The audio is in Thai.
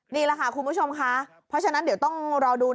นี่แหละค่ะคุณผู้ชมค่ะเพราะฉะนั้นเดี๋ยวต้องรอดู